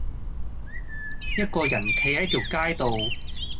一個人企喺條街度